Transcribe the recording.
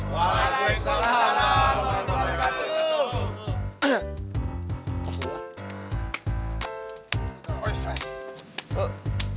waalaikumsalam warahmatullahi wabarakatuh